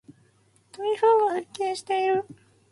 台風が接近している。